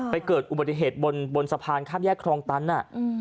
เกิดอุบัติเหตุบนบนสะพานข้ามแยกครองตัน